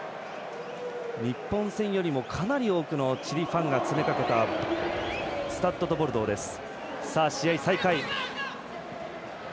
日本戦よりもかなり多くのチリファンが駆けつけたスタッド・ド・ボルドーです。